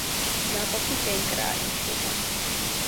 ნაყოფი კენკრაა, იჭმება.